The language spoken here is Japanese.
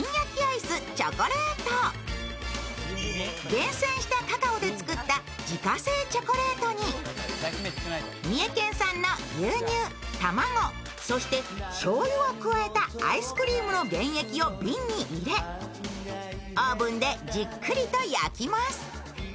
厳選したカカオで作った自家製チョコレートに三重県産の牛乳、卵、そしてしょうゆを加えたアイスクリームの原液を瓶に入れオーブンでじっくりと焼きます。